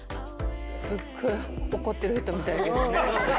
すっごい怒ってる人みたいやけどね